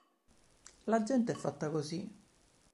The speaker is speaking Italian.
La gente è fatta così.